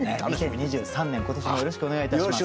２０２３年今年もよろしくお願いいたします。